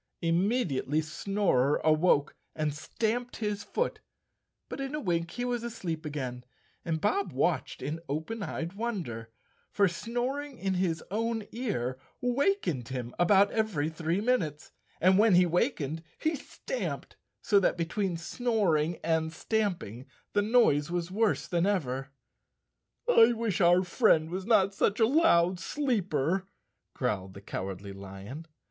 Immediately Snorer awoke and stamped his foot, but in a wink he was asleep again and Bob watched in open eyed wonder, for snoring in his own ear wakened him about every three minutes, and when he wakened he stamped, so that between snor¬ ing and stamping the noise was worse than ever. 'I wish our friend was not such a loud sleeper," growled the Cowardly Lion.